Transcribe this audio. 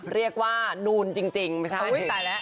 เรียกว่านูนจริงไม่ใช่